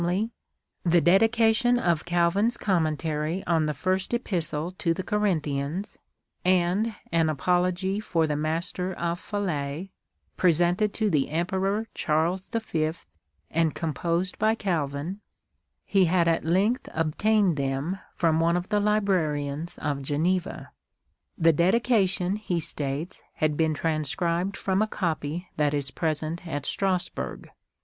the Dedication of Calvin's Com mentary on the First Epistle to the Corinthians, and an Apology for the Master of Falais, presented to the Emperor Charles the Fifth, and composed by Calvin, he had at length obtained them from one of the librarians of Geneva. The Dedication, he states, had been " transcribed from a copy that is at present at Strasburg."